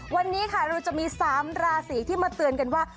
วันนี้ค่ะเราจะมี๓ราศีที่มาเตือนกันว่า